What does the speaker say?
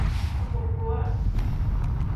Agbokpowa.